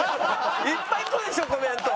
いっぱいくるでしょコメント。